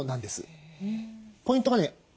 ポイントがね